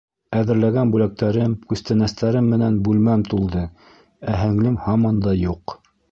Әҙерләгән бүләктәрем, күстәнәстәрем менән бүлмәм тулды, ә һеңлем һаман да юҡ.